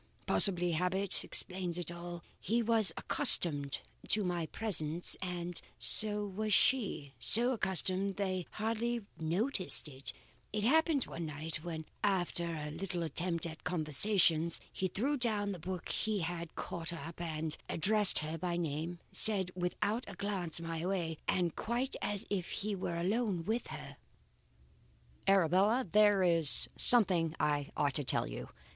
Possibly habit explains all. He was accustomed to my presence and so was she; so accustomed they hardly noticed it, as happened one night, when after a little attempt at conversation, he threw down the book he had caught up and, addressing her by name, said without a glance my way, and quite as if he were alone with her: "'Arabella, there is something I ought to tell you.